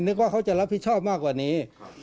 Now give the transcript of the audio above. ว่าเขาจะรับผิดชอบมากกว่านี้